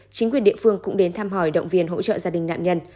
chính quyền địa phương cũng đến thăm hỏi động viên hỗ trợ gia đình nạn nhân